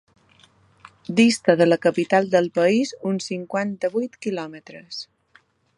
Dista de la capital del país uns cinquanta-vuit quilòmetres.